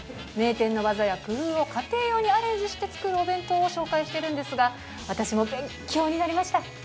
名店のワザや工夫を家庭用にアレンジして作るお弁当を紹介してるんですが私も勉強になりました。